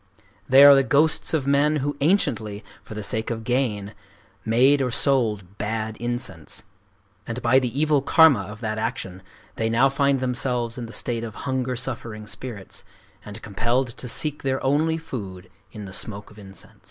They are the ghosts of men who anciently, for the sake of gain, made or sold bad incense; and by the evil karma of that action they now find themselves in the state of hunger suffering spirits, and compelled to seek their only food in the smoke of incense.